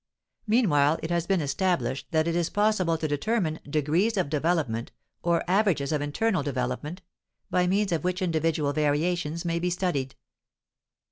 Meanwhile it has been established that it is possible to determine degrees of development, or averages of internal development, by means of which individual variations may be studied.